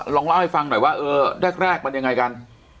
ลองเล่าให้ฟังหน่อยว่าเออแรกมันยังไงกัน